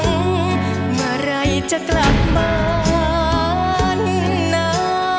เมื่อไหร่จะกลับบ้านนะ